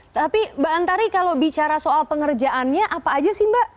tapi mbak antari kalau bicara soal pengerjaannya apa aja sih mbak